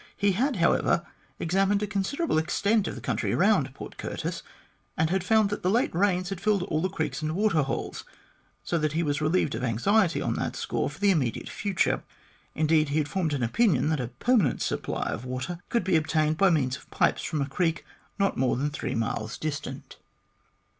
He had, however, examined a considerable extent of country around Port Curtis, and had found that the late rains had filled all the creeks and water holes, so that he was relieved of anxiety on that score for the immediate future. Indeed, he had formed an opinion that a permanent supply of water could be obtained by means of pipes from a creek not more than three miles distant.